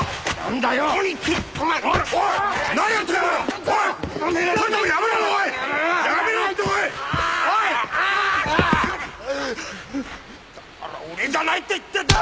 だから俺じゃないって言ってるだろ！